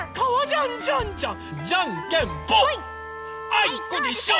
あいこでしょ！